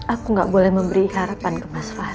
aku gak boleh memberi harapan ke mas fahri